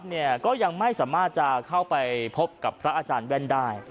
เนี่ยก็ยังไม่สามารถจะเข้าไปพบกับพระอาจารย์แว่นได้